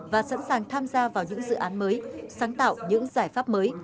và sẵn sàng tham gia vào những dự án mới sáng tạo những giải pháp mới